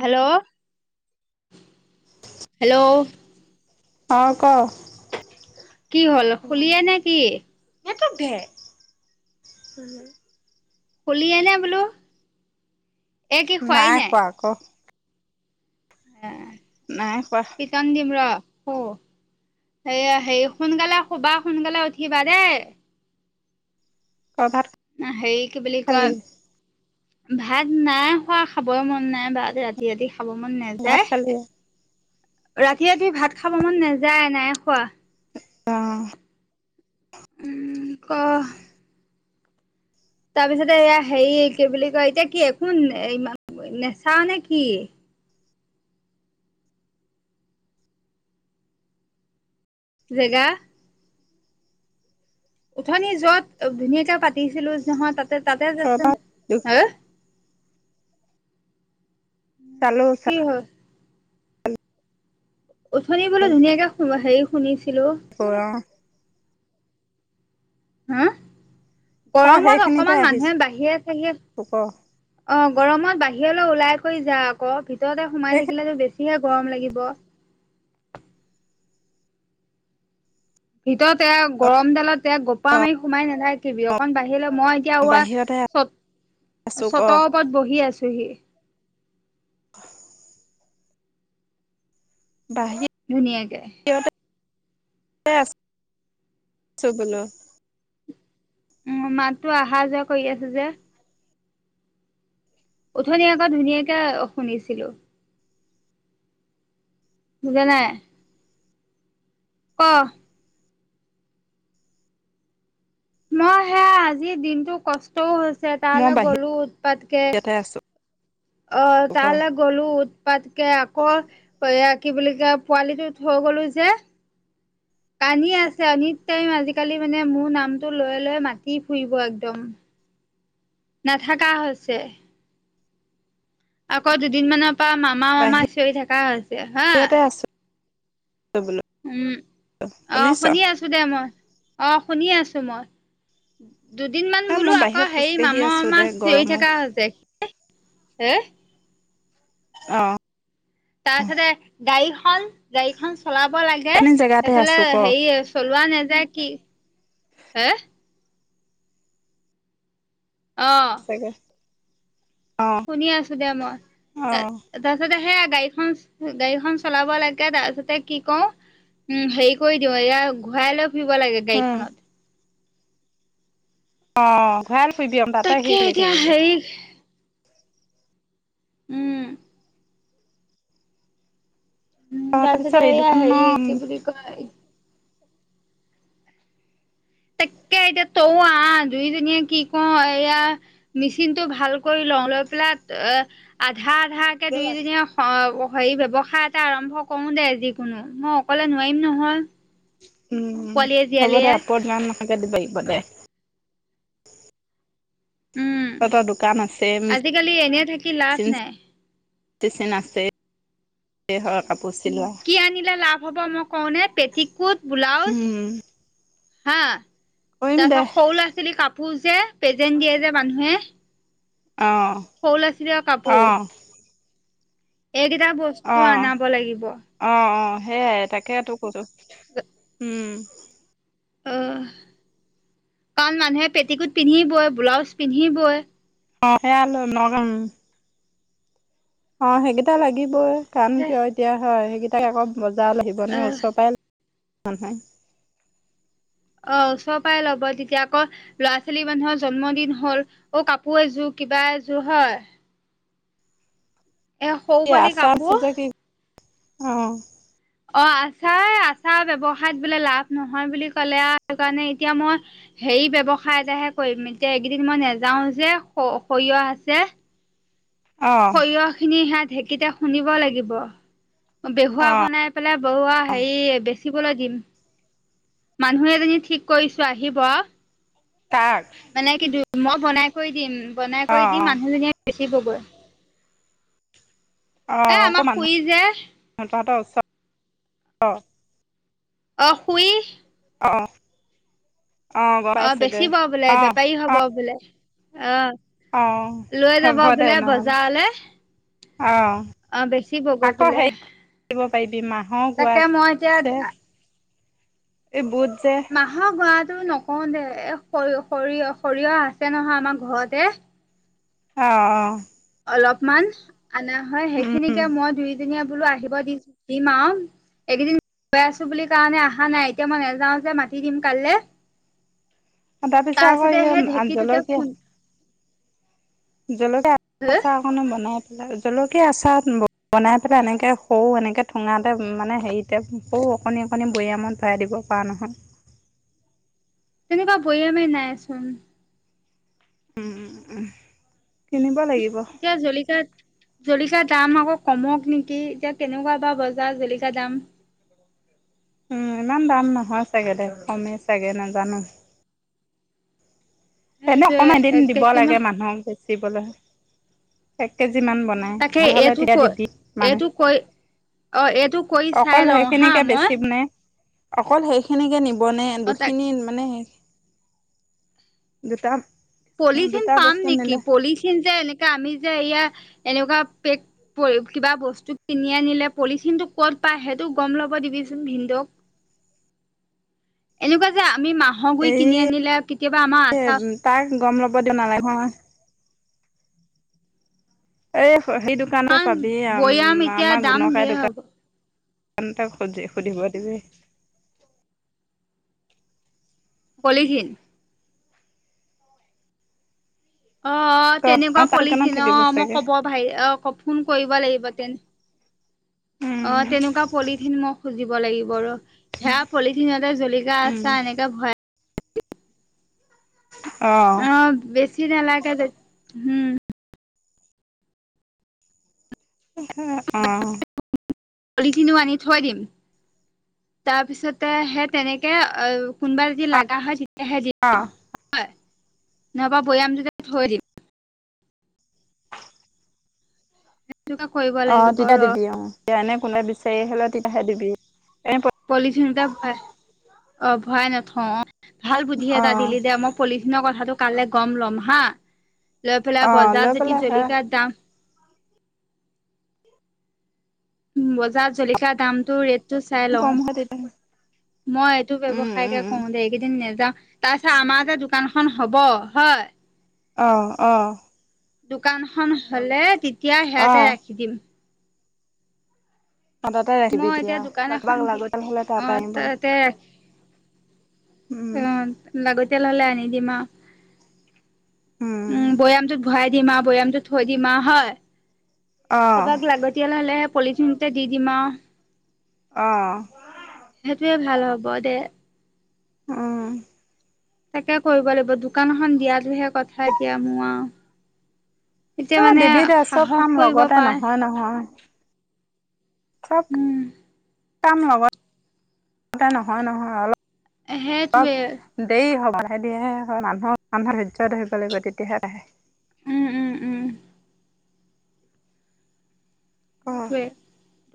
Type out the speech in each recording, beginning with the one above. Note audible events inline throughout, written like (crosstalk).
Hello hello অঁক কি হ'ল শুলিয়ে নে কি? নেত ভে (unintelligible) শুলিয়ে নে বোলো? এ কি খোৱাই নাই কোৱা আকৌ উ নাই কোৱা। পিতন দিম ৰ শু সেয়া হে সোনকালে শুবা সোনকালে উঠিবা দেই। কভাত হেৰি কি বুলি কয়? ভাত নাই খোৱা খাবই মন নাই ভাত ৰাতি ৰাতি খাব মন ভাত নাযায়। খালি অ ৰাতি ৰাতি ভাত খাব মন নেযায়, নাই খোৱা। অ উম, ক তাৰপিছতে এয়া হেৰি কি বুলি কয়, এতিয়া কি একো নেচাও নে কি? জেগা উথনি যত ধুনীয়াকে পাতিছিলো যে নহয় তাতে তাতে যাচোন। কৰবাত দুখ হ খালো কি হয়? উঠনি বোলে ধুনীয়াকে হেৰি শুনিছিলো। কৰা হা? অ গৰমত সেইখিনিতে অকমান মানুহে আহিছো বাহিৰে চাহিৰে ক অ গৰমত বাহিৰলৈ ওলাই কৰি যা আকৌ ভিতৰতে সোমাই সেইখিনি থাকিলেতটো বেছি বেছিহে গৰম লাগিব। ভিতৰত এ অ গৰম দালত এ গোপাল মাৰি সোমাই নাথাকিবি, অকণ বাহিৰলে মই এতিয়া বাহিৰতে চ আছো ক চত কত বহি আছোহি। (inaudible) বাহিৰ ধুনীয়াকে। সহতে আ আছো বন (unintelligible) উম, মাতটো অহা যোৱা কৰি আছে যে? উথনি আকৌ ধুনীয়াকে শুনিছিলো। বুজা নাই? ক তোমাৰ সেয়া আজি দিনতো কষ্টও হৈছে মই তালৈ গ'লো উৎপাতকে বাহিৰতে আছো অ ক তালে গ'লো উৎপাতকে আকৌ এয়া কি বুলি কয় পোৱালিটো থৈ গলো যে কানি আছে অনিত টাইম আজিকালি মানে মোৰ নামটো লৈ লৈ মাতি ফুৰিব একদম। নাথাকা হৈছে। আকৌ দুদিনমানৰ পৰা মামা মামা চিঞৰি থকা হৈছে হা, বাহিৰতে আছো বোলো উম আহ শুনিছ শুনি আছো দে মই, আহ শুনি আছো মই। দুদিন মান এ বোলো মই আকৌ বাহিৰত হেৰি খোজকাঢ়ি মামা আছো মামা দে চিঞৰি গৰমত থকা হৈছে, (unintelligible) অ তাৰপিছতে গাড়ীখন গাড়ীখন চলাব লাগে পানী জেগাতে এইফালে আছো ক হেৰি চলোৱা নেযায় কি হে? অ। (inaudible) অ শুনি আছো দে মই অ তা তাৰপিছতে সেয়া গাড়ীখন গাড়ীখন চলাব লাগে তাৰপিছতে কি কওঁ উম হেৰি কৰি দিও এয়া ঘূৰাই লৈ ফুৰিব লাগে উম গাড়ীখনত। অ (unintelligible) তাকে এতিয়া থাকিব অ হেৰি উম। উম তাৰপিছত তাৰপাছতে এই এয়া হেৰি দোকানৰ কি বুলি কয় তাকে এতিয়া তৌ আহ দুুইজনীয়ে কি কওঁ এয়া মেচিনটো ভালক লওঁ লৈ পেলাই, এ আধা আধাকে দুই জনীয়ে আ হেৰি ব্যয়ৱসায় এটা আৰম্ভ কৰো দে যিকোনো। মই অকলে নোৱাৰিম নহয়। উম পোৱালিয়ে হ'ব দে জীয়ালিয়ে (unintelligible) দিব লাগিব দে উম তহঁতৰ দোকান আছে মে আজিকালি এনে থাকি লাভ চিন নাই চিন আছে কাপোৰ চিলোৱা কি আনিলে লাভ হ'ব মই কওঁনে পেটিকোট, ব্লাউজ, উম হা কৰিম দে তাৰপাছত সৰু ল'ৰা-ছোৱালীৰ কাপোৰ যে পেজেন দিয়ে যে মানুহে অ। সৰু ল'ৰা-ছোৱালীৰ অ কাপোৰ এইকেইটা অ বস্তু আনাব লাগিব। অ অ সেইয়াই তাকে ত কৈছোঁ উম। অ কাৰণ মানুহে পেটিকোট পিন্ধিবয়, ব্লাউজ পিন্ধিবই, অ সেয়া (unintelligible) অ সেইকেইটা লাগিবই কাৰণ কিয় এতিয়া হয় সেইকেইটাক আকৌ বজাৰ আহিব নে আহ ওচৰ পাই অহ হয়। অ চবাই ল'ব তেতিয়া আকৌ ল'ৰা-ছোৱালী মানুহৰ জন্মদিন হ'ল, অ কাপোৰ এযোৰ, কিবা এযোৰ হয়। এ সৰু পোৱালি কাপোৰ (unintelligible) অ অ আচাৰ আচাৰ ব্যৱসায়ত বোলে লাভ নহয় বুলি কলে আৰু সেই কাৰণে এতিয়া মই হেৰি ব্যৱসায় এটাহে কৰিম। এতিয়া এইকেইদিন মই নেযাও যে সৰিয়হ আছে, অ অ সৰিয়হ খিনি সে ঢেঁকীতে খুন্দিব লাগিব, বেহুৱা অ বনাই পেলাই বহুৱা অ হেৰি বেচিবলৈ দিম। মানুহ এজনী ঠিক কৰিছো আহিব তাক। মানে কিন্তু মই বনাই কৰি দিম, বনাই অ কৰি দি অ মানুহজনীয়ে বেছি বগৈ। অ আকৌ মানুহ তহতৰ ওচৰত অ। অ শুই। অ'। গম অ পাইছো দে বেচিব বোলে, অ বেপাৰী অ হব বোলে অ। লৈ যাব হ'ব দে বোলে নহ'লে বজাৰলে। অ। অ বেছিব গৈ পিলে কৰিব পাৰিবি মাহক তাকে মই এতিয়া আ এই বোত যে আহ গোৱাটো নকওঁ দে এ সৰিয়হ সৰিয়হ সৰিয়হ আছে নহয় আমাৰ ঘৰতে। অ অ। অলপমান আনা হয় উম সেইখিনিকে মই দুইজনীয়া বোলো আহিব দি দিম আৰু এইকেইদিন গৈ আছো বুলি কাৰণে আহা নাই এতিয়া মই নাযাওঁ যে মাতি দিম কাইলে। অ তাৰ পিছত আকৌ ই সেই আন আন ঢেঁকীটোতে জলকীয়া খুন জল হ (inaudible) মানে বনাই পেলাই জলকীয়া আচাৰত বনাই পেলাই এনেকৈ সৰু এনেকৈ ঠোঙাতে মানে হেৰি তেওঁকৌ অকণি অকণি বৈয়ামত ভৰাই দিব পৰা নহয়। তেনেকুৱা বয়ামে নাইচোন। উম উম উম, কিনিব লাগিব। এতিয়া জলিকাত জলিকা দাম আকৌ কমক নেকি এতিয়া কেনেকুৱা বা বজাৰ জলিকা দাম? উম, ইমান দাম নহয় চাগে দে কমেই চাগে নাজানো? এনে সেইটোৱে অকমান এক এদিন দিব কেজি লাগে মান মানুহক বেচিবলৈ। এক কেজিমান বনাই, তাকে ভাল হ'লে এইটো তেতিয়া ক দিবি মানে। এইটো কৈ অ এইটো কৰি চাই অকল লওঁ হা সেইখিনিকে মই বেছিম নে? অকল সেইখিনিকে নিব নে অ তাক দুখিনি মানে দুটা পলিথিন দুটা পাম বস্তু নেকি নিলে পলিথিন যে এনেকা আমি যে এয়া এনেকুৱাে পেক পলি কিবা বস্তু কিনি আনিলে পলিথিনটো ক'ত পায় সেইটো গম লব দিবিচোন ভিনদেওক? এনেকুৱা যে আমি মাহৰ গুৰি কিনি আনিলে আৰু কেতিয়াবা আমাৰ আচাৰ তাৰ গম ল'ব দিয় নালাগে নহয়। এই সেই দোকানতে কাৰণ পাবি আম বৈয়াম এতিয়া আমাৰ দাম গুণকাই ধেৰ হ'ব দোকান। কাণ তাক সুজি সুধিব দিবি। পলিথিন? অ ক তেনেকুৱা অ' তাৰ দোকানত পলিথিন, থাকিব অ মই চাগে ক'ব ভাই আ কব ফোন কৰিব লাগিব তেন, অ উম, তেনেকুৱা পলিথিন মই খুজিব লাগিব ৰ, সেয়া পলিথিনতে জলিকা উম, আচাৰ এনেকে ভৰা অ। অ বেছি নেলাগে বেছ উম। ওহু অ। পলিথিনো আনি থৈ দিম। তাৰ পিছতে সেই তেনেকে অ কোনোবা যদি লাগা হয় এহেজ যি অ হয় নহবা বৈয়ামতোতে থৈ দিম সেইটো কা কৈব অ তেতিয়া দিবি অ তেতিয়া এনে কোনে বিচাৰি আহিলে তেতিয়াহে দিবি এ প পলিথিনটা ভৱাই অ ভৱাই নথওঁ অ ভাল বুদ্ধি অ এটা দিলি দে মোক পলিথিনৰ কথাটো কালে গম ল'ম হা লৈ অ পেলাই লৈ বজাৰত যতি পেলাই হে জলিকীয়া দাম বজা জলকীয়া দামটো ৰেট টো চাই লওঁ কম হয় তেতিয়া মই এইটো উম উম ব্যৱসায়কে ক উম দে এইকেইদিন নেযাও তাৰছত আমাৰ যে দোকানখন হব হয় অ অ দোকানখন হলে তেতিয়া অ সেয়াতে ৰাখি দিম অ তাতে ৰাখিবি মই দিয়া এতিয়া দোকান বা এখন কাবাক দি লাগতিয়াল তাতে আহিব অ উম লাগতিয়াল হলে আনি দিম আউ উম বৈয়ামটো ভয়াই দিম আউ বৈয়ামটো থৈ দিম আউ হয় অহ কাৰবাক লাগতিয়াল হ'লে হে পলিথিনতে দি দিম আউ অ সেইটোয়ে ভাল হ'ব দে উ তাকে কৰিব লাগিব দোকানখন দিয়াতোহে কথা এতিয়া মোৰ আউ এ দিবি দে চব সাহস কাম কৰিব লগতে পাই নহয় নহয় চব উম কাম লগত নহয় নহয় অলপ এ হেতুৱে দেই হ লাহে ধীয়ে হে হয় মানুহৰ মানুহৰ ধৈৰ্য ধৰিব লাগিব তেতিয়াহে আহে উম উম উম অ সেইটোয়ে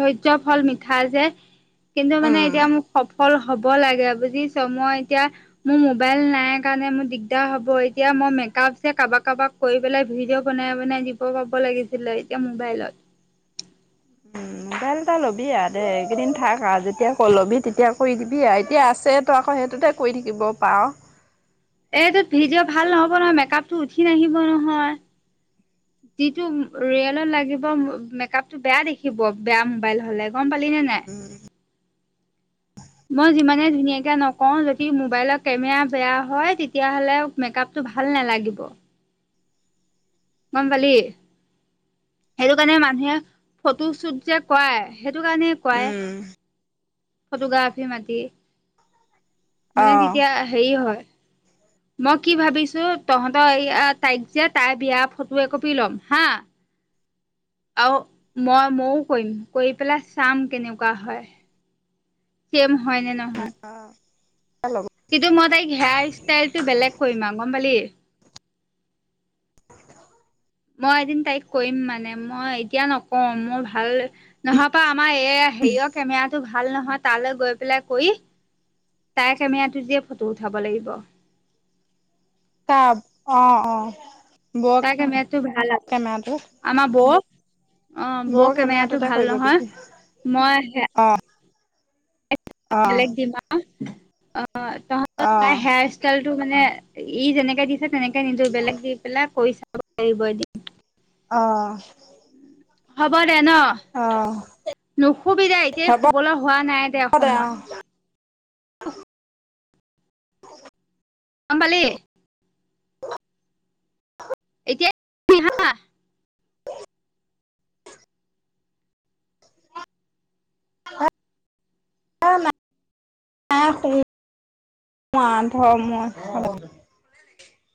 ধৈৰ্যৰ ফল মিঠা যে কিন্তু মানে উম এতিয়া মোক সফল হ'ব লাগে বুজিছ মই এতিয়া মো মোবাইল নাই কাৰণে মোৰ দিগদাৰ হ'ব (unintelligible) কৈ পেলাই ভিডিঅ' বনাই বনাই দিব পাব লাগিছিলে এতিয়া মোবাইলত উম (unintelligible) মোবাইল এটা ল'বি আ দে এইকেইদিন থাক আ যেতিয়া ক ল'বি তেতিয়া কৰি দিবি আ এতিয়া আছে ত আকৌ সেইটোতে কই থাকিব পাৱ এইটোত ভিডিঅ' ভাল নহব নহয় মেকআপ টো উঠি নাহিব নহয় যিটো ৰিয়েলত লাগিব অ মেকআপ টো বেয়া দেখিব বেয়া মবাইল হ'লে গম পালি নে নাই মই যিমানে ধুনীয়াকে ন কওঁ যদি মোবাইলৰ কেমেৰা বেয়া হয় তেতিয়াহ'লে মেকআপতটো ভাল নালাগিব গম পালি সেইটো কাৰণে মানুহে ফটো শ্বুট যে কৱায় সেইটো কাৰণে কৱাই ফটোগ্ৰাফী মাতি অ মানে তেতিয়া হেই হয় ম কি ভাবিছো তহঁতৰ এইয়া তাইক যে তাইৰ বিয়া ফটো এক কপি ল'ম হা (inaudible) আও মই ময়ো কৰিম কৰি পেলাই চাম কেনেকুৱা হয় চেম হয় নে ন অ এ লগ কিন্তু মই তাইক হেয়াৰ ষ্টাইল টো বেলেগ কৰিম আউ গম পালি মই এদিন তাইক কৰিম মানে মই এতিয়া নকওঁ মোৰ ভাল নহয় পা আমাৰ এইয়াই হেৰিয় কেমেৰাটো ভাল নহয়। তালৈ গৈ পেলাই কৰি তাইৰ কেমেৰাটো দিয়ে ফটো উঠাব লাগিব। তাপ, অঁ অঁ। তাইৰ কেমেৰাটো ভাল আও। আমাৰ বৌৰ---া অঁ, বৰ বৌৰ কেমেৰাটো কেমেৰাটোতে ভাল কৰিব পাৰিবি নহয়। মই সেয়া অ অ বেলেগ দিমা অঁ তহঁতৰ অ তাই হেয়াৰ ষ্টাইলটো মানে, ই যেনেকে দিছে তেনেকে নিজে বেলেগ দি পেলাই কৰি চাব পাৰিব এদিম। অঁ হ'ব দে ন'। অ' নুশুবি দেই, এতিয়া হ'ব শুবলৈ হোৱা নাই দে অসময়ত। অ গম পালি? এতিয়াই। বহুত। হত অ মা। আ শুম। মা ঘৰত মই শুম।